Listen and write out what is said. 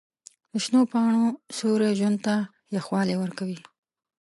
د شنو پاڼو سیوري ژوند ته یخوالی ورکوي.